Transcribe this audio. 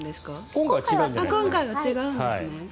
今回は違うんですね。